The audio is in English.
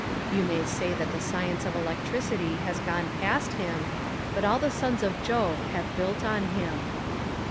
You may say that the science of electricity has gone past him, but all the Sons of Jove have built on him.